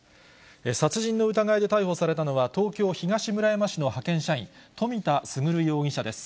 殺人の疑いで逮捕されたのは、東京・東村山市の派遣社員、冨田賢容疑者です。